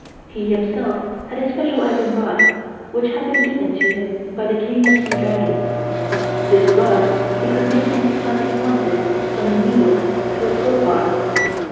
He himself had a special iron rod, which had been given to him by the King of Sea Dragons. This rod he could make any size he wanted from a needle to a crowbar.